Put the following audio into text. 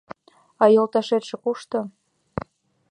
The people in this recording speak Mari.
— А йолташетше кушто?